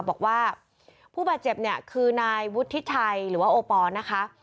บอกว่าผู้บาดเจ็บเนี่ยคือนายวุฒิชัยหรือว่าโอปอล์นะคะ